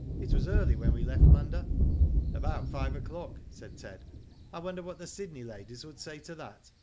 *' It was early when we left Munda." About five o'clock," said Ted. *' I wonder what the Sydney ladies would say to that.